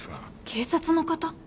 警察の方？